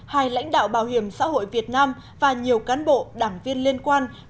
hai lãnh đạo bảo hiểm xã hội việt nam và nhiều cán bộ đảng viên liên quan